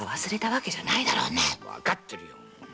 わかってるよ。